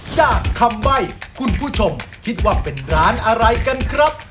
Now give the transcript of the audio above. จากคำใบ้คุณผู้ชมคิดว่าเป็นร้านอะไรกันครับ